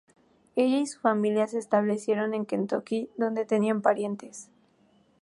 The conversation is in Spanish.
Ella y su familia se establecieron en Kentucky, donde tenía parientes.